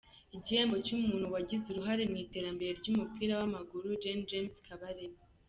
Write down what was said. Igihembo cy’umuntu wagize uruhare mu iterambere ry’umupira w’amaguru: Gen James Kabarebe.